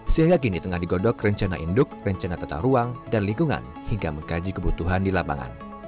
sehingga kini tengah digodok rencana induk rencana tata ruang dan lingkungan hingga mengkaji kebutuhan di lapangan